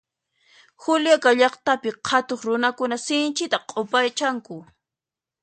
Juliaca llaqtapi qhatuq runakuna sinchita q'upachanku